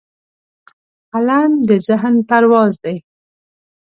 قلم د ذهن پرواز دی